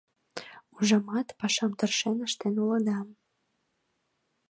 Ужамат, пашам тыршен ыштен улыда.